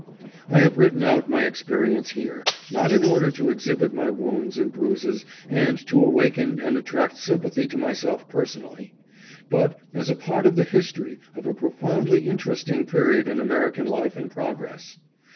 I have written out my ex perience here, not in order to exhibit my wounds and bruises and to awaken and attract sympathy to myself per sonally, but as a part of the history of a profoundly inter esting period in American life and progress.